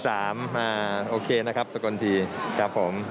สกลทีก็คือ๓โอเคนะครับสกลทีครับผม